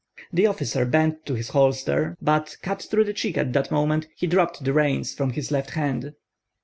The officer bent to his holsters, but, cut through the cheek at that moment, he dropped the reins from his left hand.